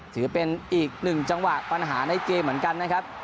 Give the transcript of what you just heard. ถือเป็นอีกหนึ่งจังหวะปัญหาในเกมเหมือนกันนะครับ